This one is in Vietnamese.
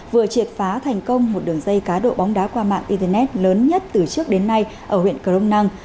vừa triệt phá thành công một đường dây cá độ bóng đá qua mạng internet lớn nhất từ trước đến nay ở huyện cờ rông năng